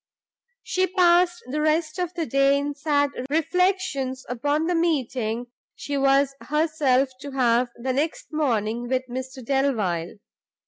She passed the rest of the day in sad reflections upon the meeting she was herself to have the next morning with Mr Delvile.